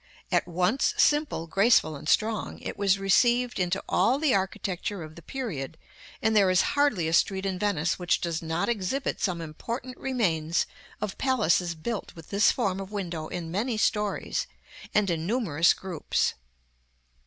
At once simple, graceful, and strong, it was received into all the architecture of the period, and there is hardly a street in Venice which does not exhibit some important remains of palaces built with this form of window in many stories, and in numerous groups.